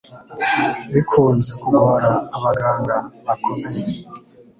bikunze kugora abaganga bakomeye